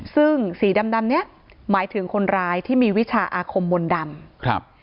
ซึ่งสีดำเนี่ยหมายถึงคนร้ายที่มีวิชาอาคมมนดำ